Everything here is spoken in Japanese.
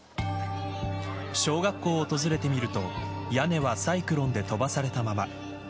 小学校を訪れてみると屋根はサイクロンで飛ばされたまま。